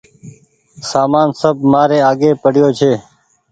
سامان سب مآري آگي پڙيو ڇي